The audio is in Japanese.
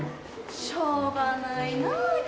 しょうがないな圭次君。